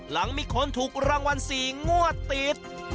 หลังมีคนถูกรางวัล๔งวดติด